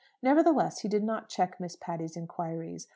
Nevertheless he did not check Miss Patty's inquiries.